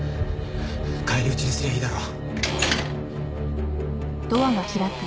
返り討ちにすりゃいいだろ。